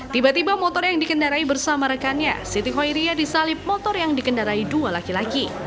tiba tiba motor yang dikendarai bersama rekannya siti hoiria disalip motor yang dikendarai dua laki laki